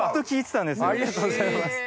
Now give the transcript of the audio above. ありがとうございます。